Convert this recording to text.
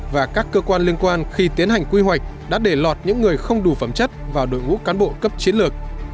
và các cơ quan liên quan khi tiến hành quy hoạch đã để lọt những người không đủ phẩm chất vào đội ngũ cán bộ cấp chiến lược